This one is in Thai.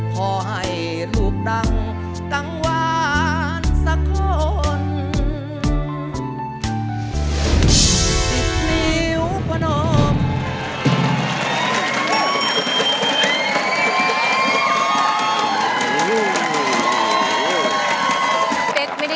ขอให้ลูกดังกังวานสักคน